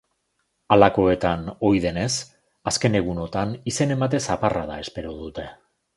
Halakoetan ohi denez, azken egunotan izen-emate zaparrada espero dute.